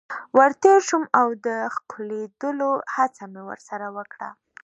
ور تیر شوم او د ښکلېدلو هڅه مې ورسره وکړه.